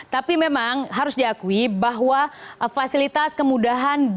tapi memang harus diakui bahwa fasilitas kemudahan